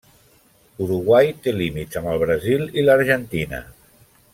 Uruguai té límits amb el Brasil i l'Argentina.